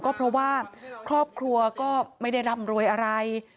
ก็เพราะว่าครอบครัวก็ไม่ได้ร่ำรวยอะไร